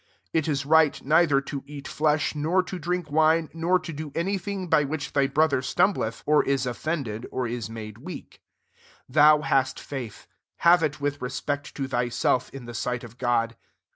21 /f i% right neither to at ftesb, nor to drink wine, nor do any thing by which thy »rother stumbleth, [or is offend sd, or is made weak.] 2£ Thou uist faith : have it with respect io thyself, in the sight of God.